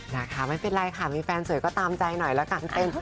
นะคะไม่เป็นไรค่ะมีแฟนสวยก็ตามใจหน่อยละกันเต้น